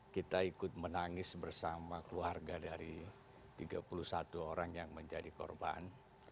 kita ikut menangis bersama keluarga dari tiga puluh satu orang yang menjadi korban